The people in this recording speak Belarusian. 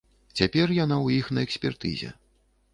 Цяпер яна ў іх на экспертызе.